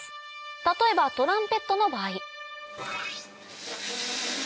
例えばトランペットの場合ブ。